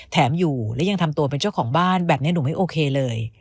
แถมอยู่และยังทำตัวเป็นเจ้าของบ้านแบบนี้หนูไม่โอเคเลย